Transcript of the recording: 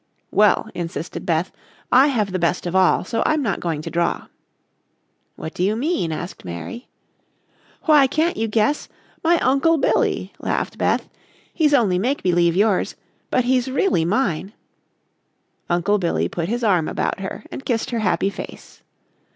"Well," insisted Beth, "I have the best of all, so I'm not going to draw." "What do you mean?" asked Mary. "Why, can't you guess, my Uncle Billy," laughed Beth. "He's only make believe yours, but he's really mine." Uncle Billy put his arm about her and kissed her happy face.